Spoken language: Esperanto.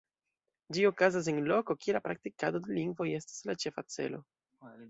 Ĝi okazas en loko, kie la praktikado de lingvoj estas la ĉefa celo.